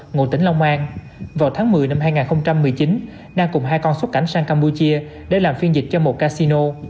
ngụ tỉnh long an vào tháng một mươi năm hai nghìn một mươi chín nan cùng hai con xuất cảnh sang campuchia để làm phiên dịch cho một casino